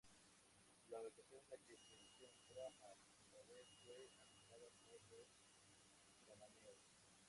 La ubicación en la que se encuentra al-Khader fue habitada por los cananeos.